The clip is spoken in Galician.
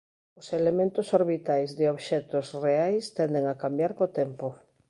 Os elementos orbitais de obxectos reais tenden a cambiar co tempo.